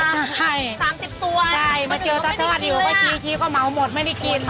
ใช่มาเจอทอดอยู่ก็ทีก็เหมาะหมดไม่ได้กิน